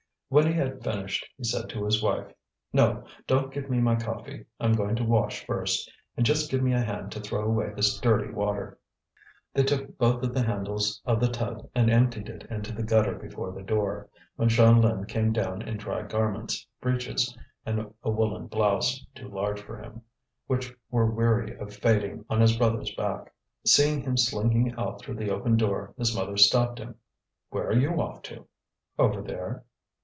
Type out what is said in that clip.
When he had finished, he said to his wife: "No, don't give me my coffee. I'm going to wash first; and just give me a hand to throw away this dirty water." They took hold of the handles of the tub and emptied it into the gutter before the door, when Jeanlin came down in dry garments, breeches and a woollen blouse, too large for him, which were weary of fading on his brother's back. Seeing him slinking out through the open door, his mother stopped him. "Where are you off to?" "Over there."